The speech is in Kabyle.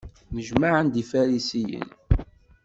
Nnejmaɛen-d Ifarisiyen.